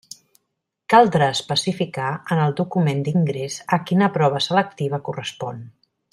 Caldrà especificar en el document d'ingrés a quina prova selectiva correspon.